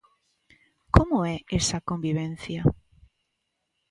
Como é esa convivencia?